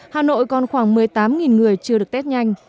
hà nội còn khoảng một mươi tám người chưa được test nhanh